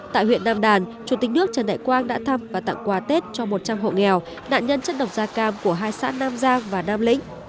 tại huyện nam đàn chủ tịch nước trần đại quang đã thăm và tặng quà tết cho một trăm linh hộ nghèo nạn nhân chất độc da cam của hai xã nam giang và nam lĩnh